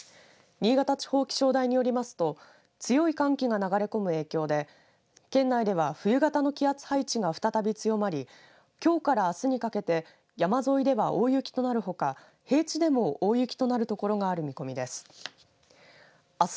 新潟地方気象台によりますと強い寒気が流れ込む影響で県内では冬型の気圧配置が再び強まりきょうからあすにかけて山沿いでは大雪となるほか平地でも大雪となる所がある見込みです。